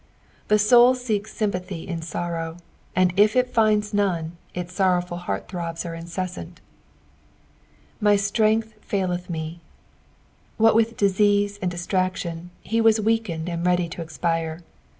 The soul seeks sympathy in sorrow, and if it flnds none, its sorrowful heart throbs are incessant. " Mp ttrength faiUth me.''' What with disease and distraction, he was weakened and ready to expire.